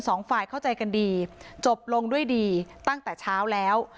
สองฝ่ายเข้าใจกันดีจบลงด้วยดีตั้งแต่เช้าแล้ว